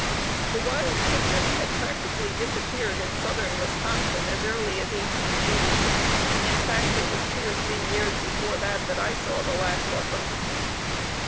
The wild pigeon had practically disappeared in southern Wisconsin as early as 1880, in fact, it was two or three years before that that I saw the last of them.